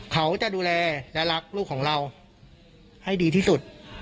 เขาจะดูแลและรักลูกของเราให้ดีที่สุด